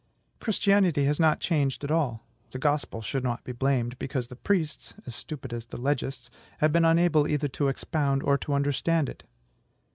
Christianity has not changed at all. The Gospel should not be blamed, because the priests, as stupid as the legists, have been unable either to expound or to understand it.